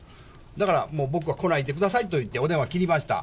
だから、もう僕は来ないでくださいと言ってお電話切りました。